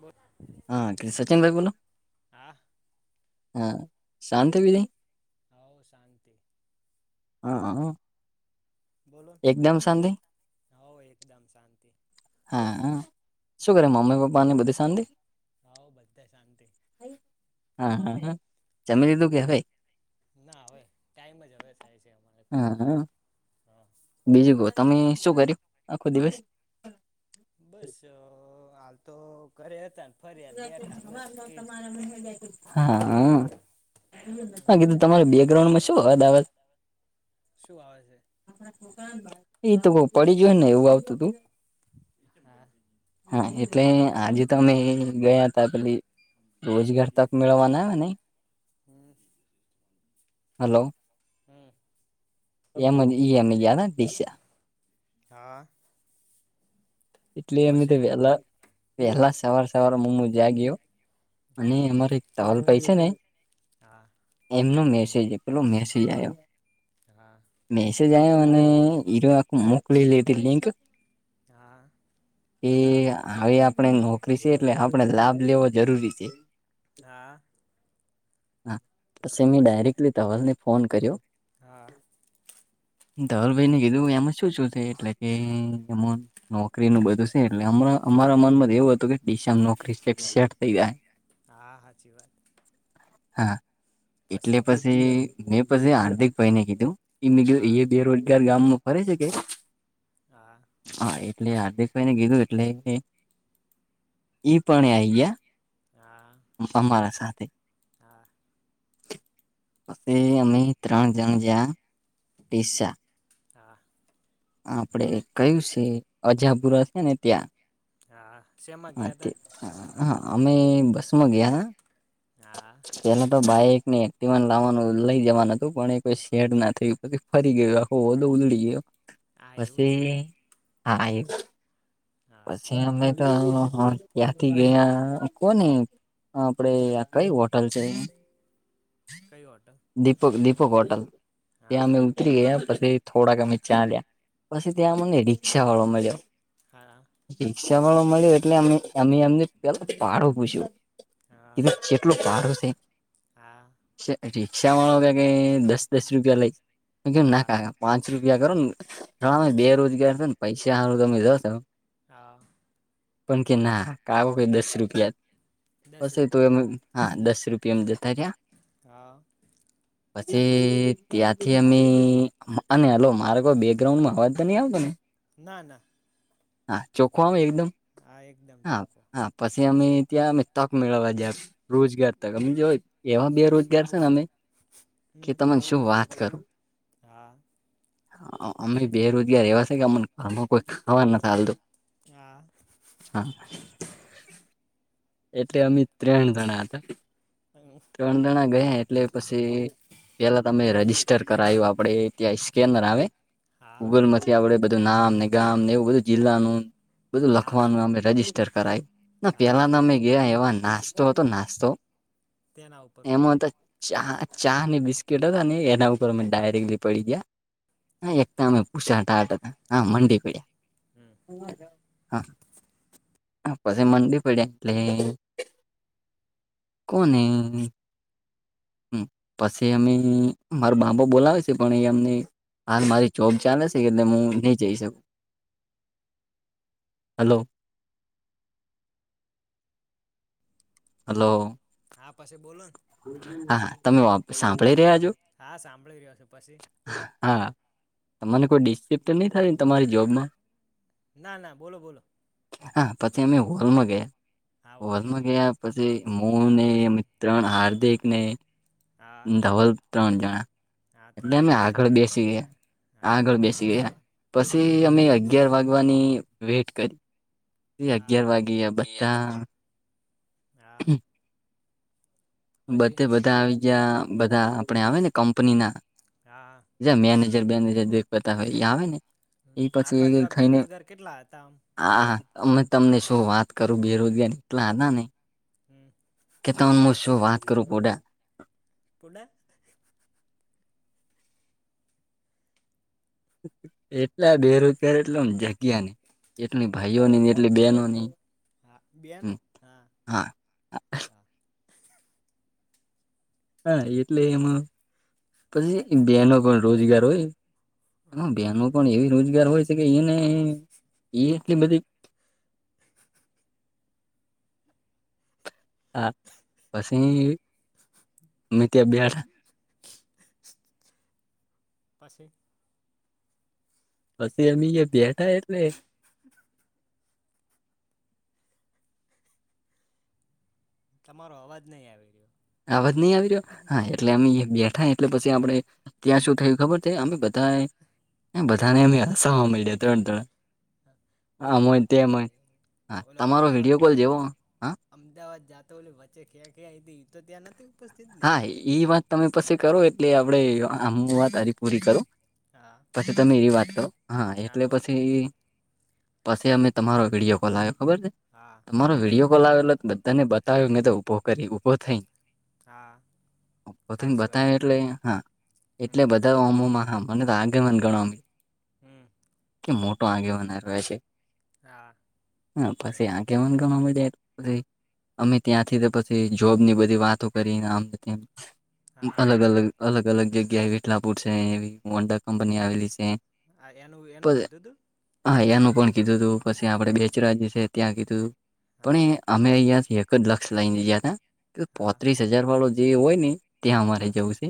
બદ હા સચિન ભાઈ બોલો હા હા શાંતિ બીદી હ શાંતિ. હા હા. બોલો એકદમ શાંતિ હો એકદમ શાંતિ. હા શું કરે હા મમ્મી પપ્પા ની બધી શાંતિ. હવ બધા શાંતિ. હા હ જમ લીધું કે હવે. ના હવે ટાઈમ જ હવે થાય છે અમારે પણ હા હા હા. બીજું કો તમે શું કર્યું આખો દિવસ બસ હાલ તો ઘરે હતા ને ફર્યા ને બેઠા ને બસ એજ હા હમ હા કીધું તમારે બેકગ્રાઉન્ડ માં શું અવાજ આવે. શું આવે છે. એ તો બઉ પડી જોય ને એવું આવતું હતું. ના હા એટલે આજે તો અમે ગયા હતા પેલી રોજગાર તક મેળવવાના હ અને હમ હલો હમ એમ મ ગયા દીશા. હા. એટલે અમે તો પછી વેલા વહેહલા સવાર સવાર મમ્મું જાગયો. અને હા અમારે એક ધવલ ભાઈ છે ને. હા એમનો મેસેજ પેલો મેસેજ આવ્યો. હા. મેસેજ આવ્યો અને હરો આખ મોકલી લેધ લિંક. હા. એ હવે આપણે નોકરી છે એટલે આપણે લાભ લેવો જરૂરી છે. હા. હા. પસે મેં પછી ડાયરેકલી ધવલને ફોન કર્યો. હા ધવલભાઈને કીધું એમાં શું શું થ એટલે કેમ નોકરી નું બધું છે એટલે અમારા મનમાં જ એવું હતું કે દિશા નોકરી સેટ થઈ ગયા. હા સાચી વાત. હા એટલે પછી મેં પછી હાર્દિક ભાઈ ને કીધું. એ હા એ બેરોજગાર ગામમાં ફરે છે કે. હા. હા એટલે હાર્દિક ભાઈ ને કીધું એટલે ઈ પણ આઈ ગયા. હા અમારા સાથે. હા પછી અમે ત્રણ જણ જયા ટીસા હા. આપડે કયું છે અજાપુરા છે ને ત્યાં હા શેમાં ગયા તા. હા અમે બસમાં ગયા તા. હા. પેલા તો બાઈક ને એક્ટવાન લાવવાનું લઇ જવાનું હતું પણ એ કોઈ શેડ ના થયુ. ફરી ગયયો આખો ઓલો ઉલ્ડી ગયો. આ એવુ છે. પછી હા એ હા પછી અમે હા ત્યાંથી ગયા કો ને આપડે કઈ હોટલ છે. કયું ઓટો દીપક દીપક હોટલ ત્યા હા અમે ઉતરી ગયા પછી થોડાક અમે ચાાલ્યા પછી ત્યાં હા મને રિક્ષા વાળો મળઓ હા રિક્ષા વાળો મળ્યો એટલે અ અમે એમને પેલા ભડો પૂછ્યો. હા એવી જેટલુ ભાડુ છે. હા રિક્ષા વાળો કે કે દસ દસ રૂપિયા લઈ કેમ ના હા કા કા પાંચ રૂપિયા કરો નેમે બેરોજગાર થ ને પૈસા સારું તમે જા ત હા પણ કે ના કાાગ કે દસ રૂપિયાત દસ પસ તો એમ રૂપિયા હા દસ રૂપિયામ જતા રહ્યા. હા પછી ત્યાંથી અમે અને હલો મારે કોઈ બેકગ્રાઉન્ડમાં અવાજ તો નહી આવતો ને ના ના. હા ચોખમ એકદમ. હા એકદમ હા ચોખો. હા પછી અમે ત્યાં અ તક મેળવવા દ્યા રોજગાર તમે જો એવા બેરોજગાર છે ને અમે. કે હમ તને શું વાત કરો. હા અમે બેરોજગાર એવા છે કે અમને આમાં કોઈ ખાવાર ના ચાલતુ. હા. હા. એટલે અમે ત્રણ જણા હતા. હ હમ. ત્રણ દણા ગયા એટલે પછી પેલા તમે રજીસ્ટર કરાયું આપડે ત્યાં સ્કેનર આવે ગૂગલ હા માંથી આવડે બધું નામ ને ગામ ને એવું બધું જિલ્લાનું. બધું લખવાનું અમે હા રજીિસ્ટર કરાય ના પેલા હા અમે એવા નાસ્તો હતો નાસ્તો તેના ઉપર એમાં પડ્યા તો ચા ચા ને બિસ્કીટ હતા ને એના ઉપર અમે ડાયરેક્ટલી પડી ગયા. હા એકદમે પૂછા ટાટ હતા હા મંડી પડ્યા હમ. હા હ પછ મંદી પડ્યા લે કોને પછી અમે મારો બાપા બોલાવે છે પણ એ અમને હાલ મારી જોબ ચાલે છે કેટલે હું નહી જઈ શકું. હલો હલો હા પછી બોલો. હાા તમે સાંભળી રહ્યા છો. હા સાંભળી રહ્યો છ પછી હા તને કોઈ ડિસ્ચેપ્ટર નહી થાય તમારી જોબમાં ના ના બોલો બોલો. હા પછી અમી હોલ મા ગયા. હા હોલમાં વલમાં ગયા પછી મો હા ને પછી મિત્રણ હાર્દિક ને હા ધવલ ત્રણ જણા હા એટલે ત્રણ અમે જણા આગળ તમે અંદર બેસી ગયા હા આગળ બેસી ગયા હા પછી અમે. અગિયાર વાગવાની વેટ કરી હા અગયાર વાગ્યા બધા. હા. પછી બધે બધા આવી ગયા બધા આપણે આવે ને કંપની ના હા હા. મેનેજર બેનેજર દ પતા હોય આવે ને એ અને પછી આપણા એક જેવા થઈને બેરોજગાર કેટલા હતા આમ આ અંદાજીત અમે. તમને શું વાત કરું બેરોજગારી એટલા હતા ને. હમ. કે ત મને શું વાત કરું કોડા પુડા. એટલા બેરોજગાર એટલોમ જગ્યા નને એટલી ભાઈઓ હા નીને એટલી બ બેનો ની. હા બેનો હા હા. હા એટલે એમાં પછી બેનો પણ રોજગાર હોય. હા બનનો પણ એવી રોજગાર હોય છે કે એને એ એટલી બધી. હા. હા. પછી અમે ત્યાં બેઠા પછી. પછી એમ બેઠા એટલે તમારો અવાજ નહી આવી રહ્યો. આવાજ નહી આવી રહ્યો હા એટલે અમે બેઠા એટલે પછી આપડે ત્યાં શું થયું ખબર થઈ અમે બધા બધાને અયા સર મળી્યા ત્રણ ત્રણ. હ ઓલે આમય આપડે તેમય હા ઓલો તમારો અમદાવાદ વિડીયો કોલ જેવો હા અમદાવાદ જાતો હોલે વચ્ચે ક્યાં ક્યાં હતી તો ત્યાં નથી. ઉપસ્થિત ને હા એ વાત તમે પછી કરો એટલે આપણેે આમ વાત હારી પૂરી કરું. હા. પછી તમે એવી વાત કરો હા એટલે બોલો બોલો પછી. પછી અમે તમારો વિડિયો કોલ આવ્યો ખબર છે હા તમારો આવ્યો વિડિયો તો કોલ આવેલો બધાને- બતાવીયુ ઉભો કરી ઉ ઉભો થઈ. કા ને બતાવે એટલે હા એટલે હમ બધા ઓમોમાં હા મને તો આગેમન ગણમ. હમ. કે મોટો આગેવાનાર રહે છે. હા. હા પછી આગેવાન ઘણો મંડ્યા ક‌ઇક. અમે ત્યાંથી પછી જોબની બધી વાતો કરી ને આમ -તેમ અલગ હા અલગ. અલગ અલગ જગ્યા વિઠલાપુર છે એવી વંડા કંપની આવેલી છે. હા એનું એનું પણ કીધું તું. હા એનું પણ કીધું તું પછી આપડે હા બેચરા છે ત્યાં કીધું તું પણ હા એ અમે અહંયાથી એક જ લક્ષ લઈ લીધા તા હા પોત્રીસ હજાર વાળો જે હોય ને ત્યાં અમારે હા જવું છે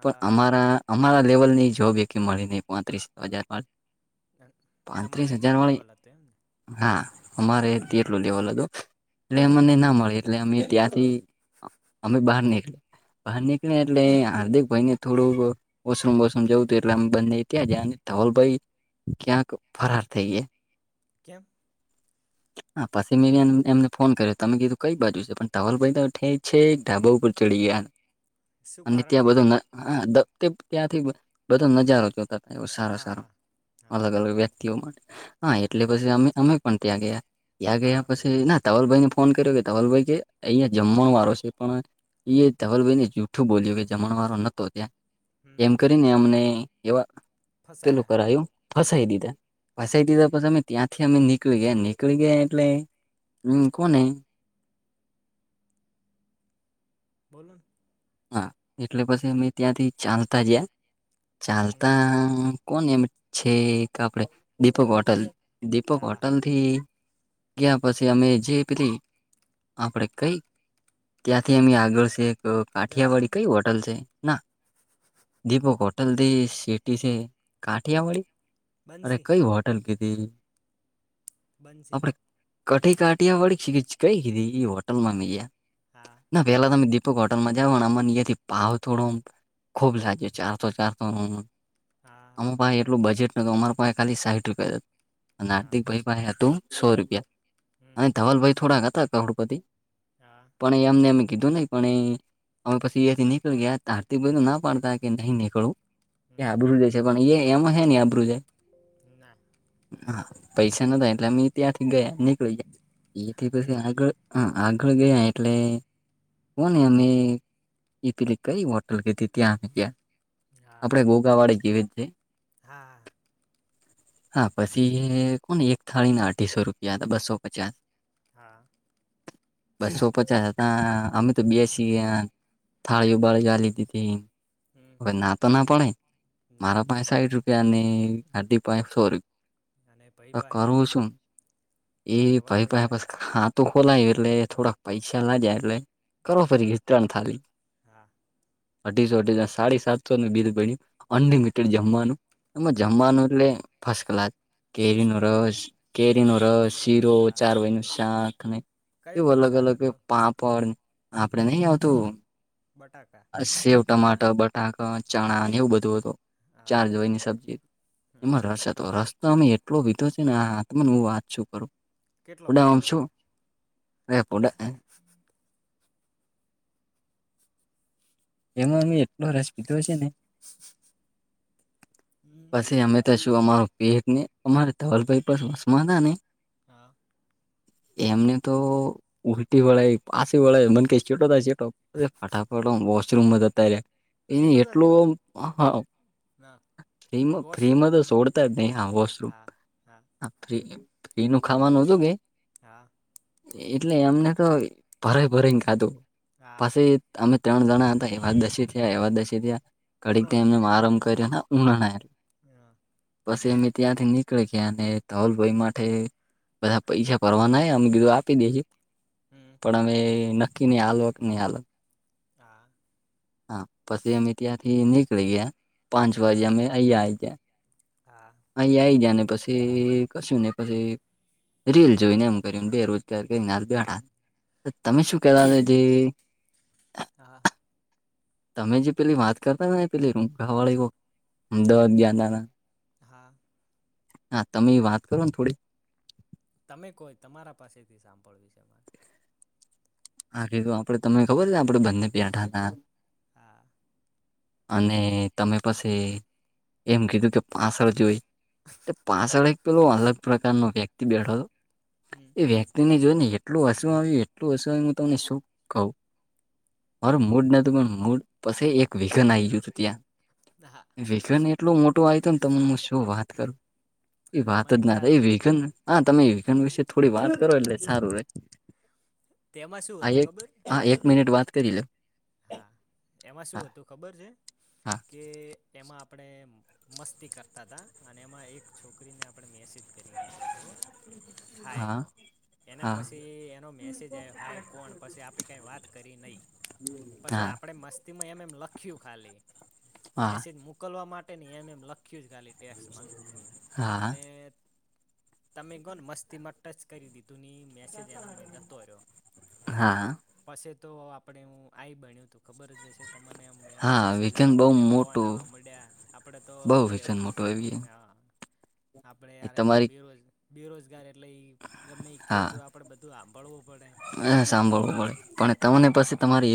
પણ અમારા અમારા લેવલ ની જોબ એક મળી નહી પાંત્રીસ હજાર વાળી. પાંત્રીસ તમારે હજાર એટલું વાળી લેવલ હતું એમને. હા અમારે હમ એટલું લેવલ હતું એટલે હમ મમને ના મળે એટલે અમે ત્યાંથી અમે બહાર નીકળી બહાર નીકળ્યા એટલે હાર્દિક ભાઈ ને થોડુંક વશરૂમ વોશરૂમ જવું એટલે આ બંને ત્યા જ ઘવલ ભાઈ. ક્યાંક ફરાર થઈ ગયા. કેમ. હા પછી મેં એમને ફોન કર્યો તમે કીધું કઈ બાજુ છે પણ ઘવલ ભાઈ ઈ છેઠ ઢાબા ઉપર ચડી ગયા શું અને ત્યાં કારણથી બધા હા ધ ત્યાંથી બધો નજારો જોતા હતાય એવ સારા હા સારો. હા હા અલગ અલગ વ્યક્તિઓ માટે. હા એટલે પછી અમે અમે પણ ત્યાં ગયા ત્યાં હા ગયા પછી ના ઘવલભાઈ ને ફોન કર્યો કે ઘવલભાઈ કે અહિયાયા જમવાનો વારો છે. પણ ઇ એ ધવલભાઈને જૂઠું બોલ્યું કે જમણવાનો નતો ત્યા હમ એમ તને અમને એવા પેલું ફસાયા કરું ફસાઈ દીધા હા ફસાઈ દીધા. પણ ત્યાંથી અમે નીકળી ગયા નીકળી ગયા એટલે હમ કોને બોલો. હા એટલે પછી અમે ત્યાથી ચાલતા જયા હમ ચાલતા એમ છે કે આપડે દીપક હોટલ દીપક હા હોટલ એ ગયા પછી અમે જેપી આપણેે કઈ ત્યાંથી અમે આગળ છે એક જલારામ કાઠિયાવાડી કઈ હોટ હોટલ છે ના દીપક હોટલથી સેટી છે કાઠિયા વાળી? અરે બંસી કઈ હોટેલ કીધી બંસી આપણે કઠી કાઠિયાવાડી કઈ કીધી એ હોટલમાં હા મે હા ગયા. પેલા તમે દીપ હોટલમાં તેવ હમળે ભાવ થોડો આમ ખુબ લાગ્યો ચાર સો ચાર સો હા અમ હા પાહે એટલ બેટ નતું અમાર પાસે ખાલી સાહીઠ રૂપિયા અને હા હાર્દિક ભાઈ પણે હતું સો રૂપિયા હમ અને ધવલ ભાઈ થોડા હતા કરોડપતિ હા પણ એમને એમે કીધું નહ પણ એ અમે પછી થી નીકળી ગયા આારતીક ભાઈ ના પાડતા કે નહી નીકળવું. એ હમ આબરું જાય [unintelligible] પણ એ એમાં છેે ની આ્રું છે. ના હા પૈસા નોતા એટલે ત્યાંથી ગયા નીકળીયા એથી સાચી પછી વાત આગળ હા આગળ ગયા એટલે હો અમમે ઇ પીલી કઈ હોટલ કે હતી ત્યાં આમ ગયા. હા આપડે ઘોઘા વાળી જેવી. છે હા. [inaudible] હા પછી કોને એક થાળી ના અઠીસો રૂપિયા હતા બસો પચાસ. હા. બસો પચાસ હતા અમે તો બે છી થાળી ઉબાળ જલી તી હમ હવે ના તો ના પડે ના મારા પાસે સાહીઠ રૂપિયા અને ગાડી પાસે સો રૂપિયા. અને પૈપહે કરવું શું એ ભાઈ પાઈ પાસે ખા તોું ખોલાયું એટલે થોડાક પૈસા લાદ્યા એટલે કરો હમ ફરી ગી ત્રણ થાલી હા અઢી જઢી સાડી સાતસો બિજ બન્યું અનલિમિટેડ જમવાનું એમાં હા જમવાનું એટલે ફસ્ટ ક્લાસ. શું કેરી ન શું હતું રસ કેરીનો હા રસ સિરો હા ચારવાઈનું શાક ને કયું એવું કયું અલગ શાક અલગ હતું પાપડ આપડે નહી આવતું બટાકા સેવ ચણા ટમાટર બટાકા ચણા અને એવું બધું હતું. હા ચાર જોઈની સબ્જી હમ એમાં રસ હતો રસ તો અમે એટલો વિીધો છે ને હા તને હું વાત છું કરું કેટલો પડા પીધો વંશો હશે હ પુડા પડા એમાં અમે એટલો રસ કીધો છે ને પછી અમે છું અમારું પેટને અમારે તલભાઈ પરસમાદા ને હા. એમને તો ઉલટી વળ પાછી વળ મને કે ચટો થાય ચટો ફટાફટ રમ અ્યારે એ સેટો જા સેટો એટલું હા ફ્રી અને વોશરૂમ ફ્રીમાં સોડતા જ નહી હા વોશરૂમ હા ફ્રી એનું ખાવાનુંોજુંગે હા. એટલે એમને તો ભરાય ભરાયને ખાધું હા પછી અમે ત્રણ જણા હતા એવા દશી થયા એવા દશી થયા ઘડીક ત્યા ઉણોણા એમ આરામ કર્યો. [unintelligible] હા! પછી અમે ત્યાંથી નીકળી ગયા ને, તોલ ભાઈ માટે. બધા પૈસા ભરવા ના અમે કીધું આપી દેશું. હમ! પણ અમે નક્કી નહીં આ લોકો ની હાલત. હા. હા, પછી અમે ત્યાંથી નીકળી ગયા. પાંચ હા વાગે અમે અયા ગયા. હા! અહી આઈ જાયાને પછી કશીને પછી. રેલ જોઈને એમ કરીને બેરોજગાર કરીને હ બેણા. તમે શું કેવા છે જે? હા તમે જે પેલી વાત કરતા ને પેાવાળી અમદાવાદ ગ ના. હા. હા, તમે વાત કરો ને થોડી. તમે કોઈ તમારા પાસેથી સાંભળવી છેમારે. આા કીધું આપડ તમને ખબર છે? આપડે બંને પ્યાંઠાના. આ! અને તમે પસી એમ કીધું કે, પાસળ જોઈ તે પાસળ એક પેલો અલગ પ્રકારનો વ્યક્તિ બેઠો તો. હમ્મ. એ વ્યક્તિને જોઈ ને, એટલું હસવું આવ્યું, એટલું હસું આવ્યું. હું તમને શું કહું? મારો એમ મૂડ નતું, પણ મૂડ પછી એક વિઘન આ ગયું હતું ત્યાં. ના. તો ને તમનેું શું વાત કરું? એ હા વાત મને જ ના ખ્યાલ એ છે વેઘનને. હા, તમે વિકન્ડ વિશે થોડી વાત કરો. એટલે સારું રહે. તેમાં શું હા! હતું એક ખબર હા એક મિનિટ વાત કરી લે. હા! એમાં શું હતું ખબર છે? હા કે એમાં આપડે મસ્તી કરતા તા. અને એમાં એક છોકરીને આપડે મેસેજ કરી દીધો તો. હા. એના હા પસી એનો મેસેજ આયો. હાય, કોણ? પસી આપડે કાંઈ વાત કરી નઈ. પસી હા આપડે મસ્તીમાં એમ-એમ લખ્યું ખાલી, હા મેસેજ મોકલવા માટે ની, એમ-એમ લખ ખ્યું જ ખાલી ટેસમાં. હા અને તમે કો ન મસ્તીમાં ટચ કરી દીધુંની ઈ મેસેજ એના માય જતો રયો. હા પસી તો આપડે હુ આઈ બનયું, તું ખબર જ હશે તમને આમ. મે આ હા મેસેજ વિઘન આવા બહુ મડયા, ફોન મોટું આવા મળ્યા. આપડે તો બહુ પઈ વિઘન મોટું આવી ગયું. હન. [inaudible] આપડે એ યાર એમાય તમારી બેરોજ બેરોજગાર એટલે એ ગમે એ કે પણ બધું આંભળવું પડે. હન સાંભળવું પડે. પણ તમને પસી તમારી